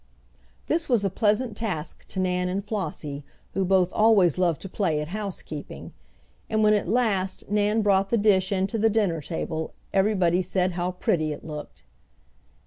This was a pleasant task to Nan and Flossie, who both always loved to play at housekeeping, and when at last Nan brought the dish in to the dinner table everybody said how pretty it looked.